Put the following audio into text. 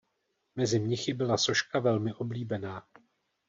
Mezi mnichy byla soška velmi oblíbená.